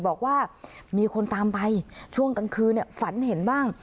บอกว่ามีคนตามไปช่วงกลางคืนฝันเห็นบ้าง